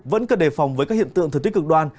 vẫn cần đề phòng với các hiện tượng thừa tích cực đoan